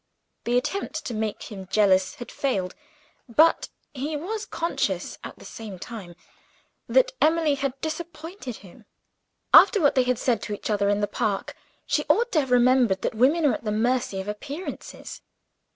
The attempt to make him jealous had failed; but he was conscious, at the same time, that Emily had disappointed him. After what they had said to each other in the park, she ought to have remembered that women are at the mercy of appearances.